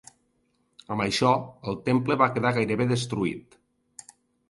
Amb això, el temple va quedar gairebé destruït.